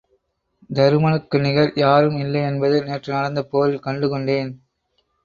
தருமனுக்கு நிகர் யாரும் இல்லை என்பது நேற்று நடந்த போரில் கண்டு கொண்டேன்.